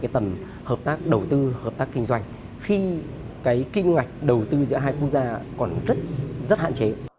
tầm hợp tác đầu tư hợp tác kinh doanh khi kinh ngạch đầu tư giữa hai quốc gia còn rất hạn chế